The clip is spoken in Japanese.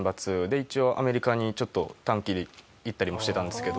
で一応アメリカにちょっと短期で行ったりもしてたんですけど。